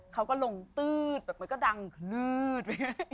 เขาก็ลงตื๊ดแบบมันก็ดังคลืด